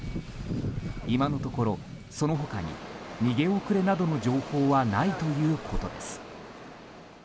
今のところ、その他に逃げ遅れなどの情報はないということです。